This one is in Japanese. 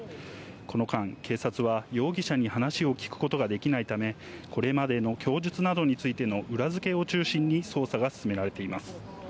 この間、警察は容疑者に話を聞くことができないため、これまでの供述などについての裏付けを中心に捜査が進められています。